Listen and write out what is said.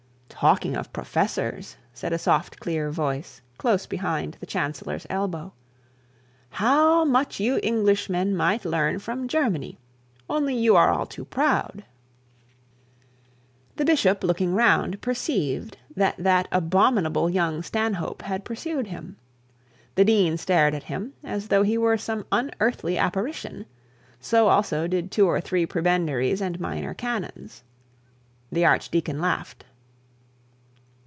'Talking of professors,' said a soft clear voice close behind the chancellor's elbow; 'how much you Englishmen might learn from Germany; only you are all too proud.' The bishop looking round, perceived that abominable young Stanhope had pursued him. The dean stared at him, as though he was some unearthly apparition; so also did two or three prebendaries and minor canons. The archdeacon laughed.